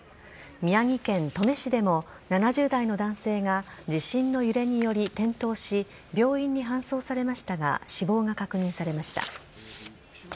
宮城県登米市でも７０代の男性が地震の揺れにより転倒し病院に搬送されましたが死亡が確認されました。